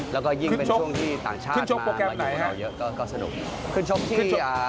แล้วก็ยิ่งเป็นช่วงที่ต่างชาติมาอยู่แล้วเยอะก็สนุกครับขึ้นชกขึ้นชกโปรแกรมไหนครับ